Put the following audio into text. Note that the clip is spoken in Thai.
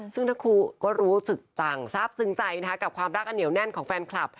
ซึ่งทั้งคู่ก็รู้สึกต่างทราบซึ้งใจนะคะกับความรักอันเหนียวแน่นของแฟนคลับ